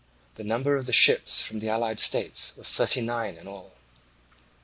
The number of ships from the allied states was thirty nine in all.